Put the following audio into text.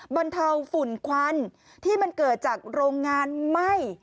บรรเทาฝุ่นควันที่มันเกิดจากโรงงานไหม้